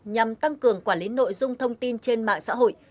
nhằm tăng cường quản lý nội dung thông tin trên mạng xã hội